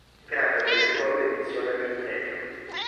Si tratta della seconda edizione del premio.